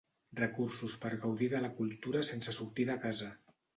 Recursos per gaudir de la cultura sense sortir de casa.